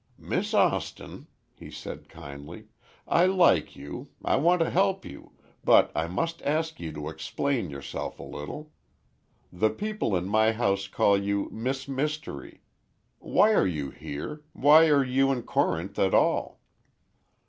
"Miss Austin," he said kindly, "I like you, I want to help you—but I must ask you to explain yourself a little. The people in my house call you Miss Mystery. Why are you here? Why are you in Corinth at all?"